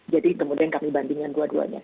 jadi kemudian kami bandingkan dua duanya